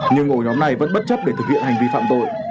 nhưng ổ nhóm này vẫn bất chấp để thực hiện hành vi phạm tội